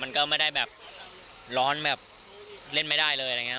มันก็ไม่ได้แบบร้อนแบบเล่นไม่ได้เลยอะไรอย่างนี้